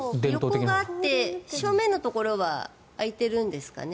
横があって正面のところはあいてるんですかね。